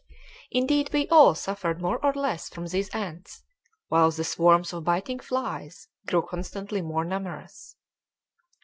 Indeed, we all suffered more or less from these ants; while the swarms of biting flies grew constantly more numerous.